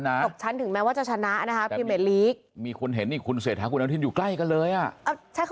ไปชื่อเลสเตอร์กันสุดท้ายเลสเตอร์ตกฉันนะ